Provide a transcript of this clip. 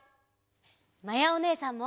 まやおねえさんも！